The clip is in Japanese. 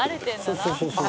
そうそうそうそう。